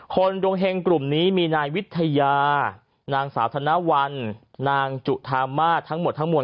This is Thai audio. ดวงเฮงกลุ่มนี้มีนายวิทยานางสาวธนวัลนางจุธามาสทั้งหมดทั้งมวล